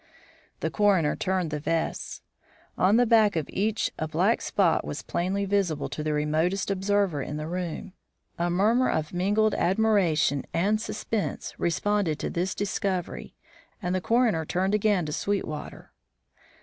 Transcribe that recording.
The coroner turned the vests. On the back of each a black spot was plainly visible to the remotest observer in the room. A murmur of mingled admiration and suspense responded to this discovery, and the coroner turned again to Sweetwater.